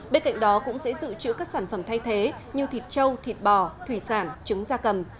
bên cạnh đó cũng sẽ dự trữ các sản phẩm thay thế như thịt châu thịt bò thủy sản trứng da cầm